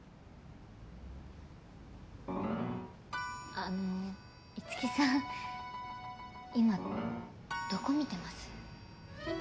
あの樹さん今どこ見てます？